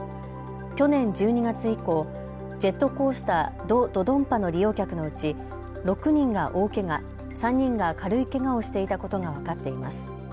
去年１２月以降、ジェットコースター、ド・ドドンパの利用客のうち６人が大けが、３人が軽いけがをしていたことが分かっています。